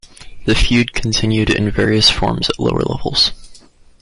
The feud continued in various forms at lower levels.